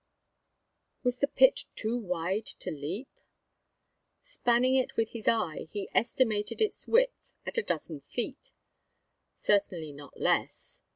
Was the pit too wide to leap? Spanning it with his eye, he estimated its width at a dozen feet; certainly not less.